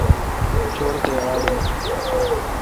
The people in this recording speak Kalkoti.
چو°ر تے آڑ این۔